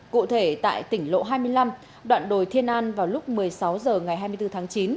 cụ thể tại tỉnh lộ hai mươi năm đoạn đồi thiên an vào lúc một mươi sáu h ngày hai mươi bốn tháng chín